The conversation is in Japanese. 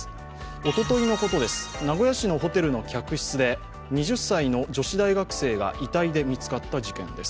おとといのことです、名古屋市のホテルの客室で２０歳の女子大学生が遺体で見つかった事件です。